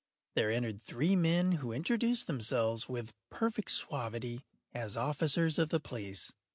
There entered three men, who introduced themselves, with perfect suavity, as officers of the police.